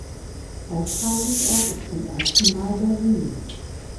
Austragungsort ist zum ersten Mal Berlin.